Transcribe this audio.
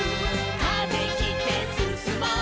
「風切ってすすもう」